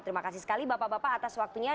terima kasih sekali bapak bapak atas waktunya